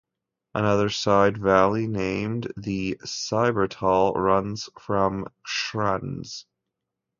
Another side valley named the Silbertal runs from Schruns.